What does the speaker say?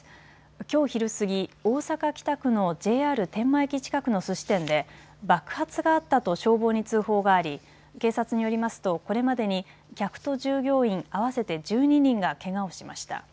きょう昼過ぎ、大阪北区のＪＲ天満駅近くのすし店で爆発があったと消防に通報があり警察によりますとこれまでに客と従業員合わせて１２人がけがをしました。